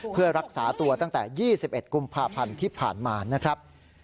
เพื่อรักษาตัวตั้งแต่๒๑กุมภาพันธ์ที่ผ่านมานะครับ